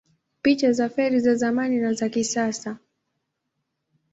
Picha za feri za zamani na za kisasa